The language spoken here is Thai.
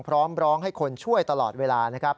พร้อมร้องให้คนช่วยตลอดเวลานะครับ